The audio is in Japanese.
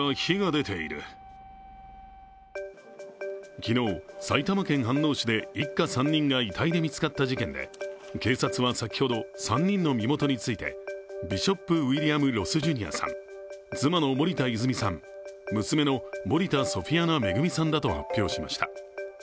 昨日、埼玉県飯能市で一家３人が遺体で見つかった事件で警察は先ほど、３人の身元についてビショップ・ウイリアム・ロス・ジュニアさん、妻の森田泉さん、娘の森田ソフィアナ恵さんだと発表しました。